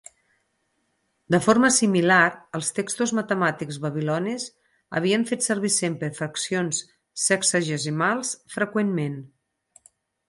De forma similar, els textos matemàtics babilonis havien fet servir sempre fraccions sexagesimals freqüentment.